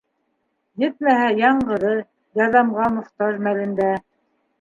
Етмәһә, яңғыҙы, ярҙамға мохтаж мәлендә.